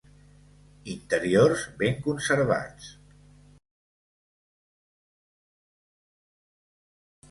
Interiors ben conservats.